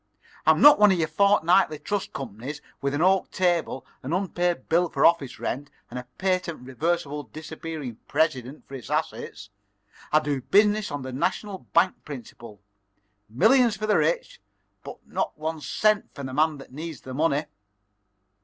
I'm not one of your fortnightly trust companies with an oak table, an unpaid bill for office rent, and a patent reversible disappearing president for its assets. I do business on the national bank principle: millions for the rich, but not one cent for the man that needs the money."